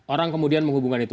orang kemudian menghubungkan itu